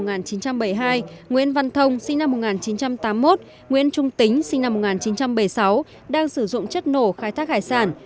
nguyễn văn thông sinh năm một nghìn chín trăm tám mươi một nguyễn trung tính sinh năm một nghìn chín trăm bảy mươi sáu đang sử dụng chất nổ khai thác hải sản